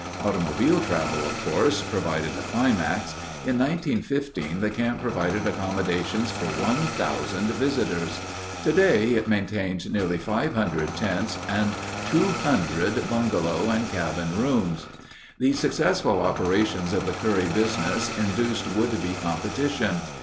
Automobile travel, of course, provided the climax. In 1915 the camp provided accommodations for one thousand visitors. Today, it maintains nearly 500 tents and 200 bungalow and cabin rooms. The successful operations of the Curry business induced would be competition.